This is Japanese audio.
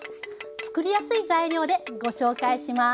つくりやすい材料でご紹介します。